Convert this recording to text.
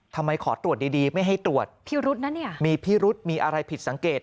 ทำไมขอตรวจดีไม่ให้ตรวจมีพี่รุธมีอะไรผิดสังเกต